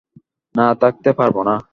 না, থাকতে পারব না।